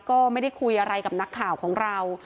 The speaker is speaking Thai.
ก็ไม่ได้คุยอะไรกับนักข่าวของเรา